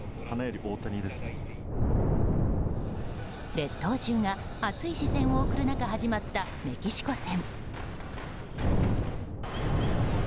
列島中が熱い視線を送る中始まった、メキシコ戦。